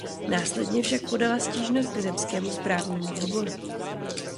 Následně však podala stížnost k zemskému správnímu výboru.